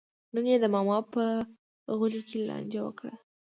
نن یې د ماما په غولي کې لانجه وکړه.